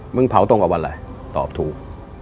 มึงเผาตรงกับวันไรตอบถูก